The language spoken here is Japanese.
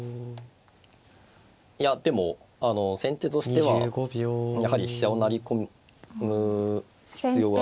いやでも先手としてはやはり飛車を成り込む必要はあるので。